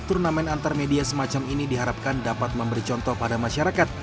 turnamen antarmedia semacam ini diharapkan dapat memberi contoh pada masyarakat